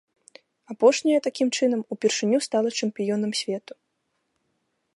Апошняя, такім чынам, упершыню стала чэмпіёнам свету.